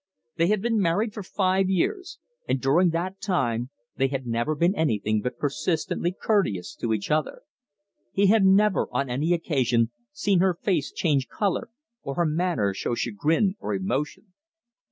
They had been married for five years, and during that time they had never been anything but persistently courteous to each other. He had never on any occasion seen her face change colour, or her manner show chagrin or emotion.